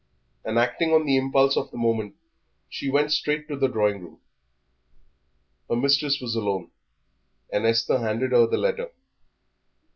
And acting on the impulse of the moment she went straight to the drawing room. Her mistress was alone, and Esther handed her the letter.